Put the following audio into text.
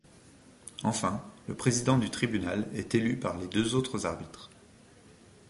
Enfin, le président du tribunal est élu par les deux autres arbitres.